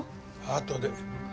あとで。